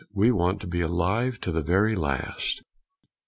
We want to be alive to the very last.